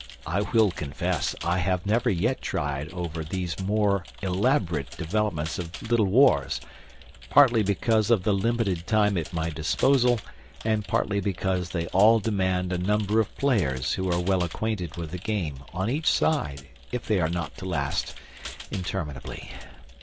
I will confess I have never yet tried over these more elaborate developments of Little Wars, partly because of the limited time at my disposal, and partly because they all demand a number of players who are well acquainted with the same on each side if they are not to last interminably.